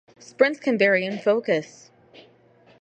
Sprints can vary in focus.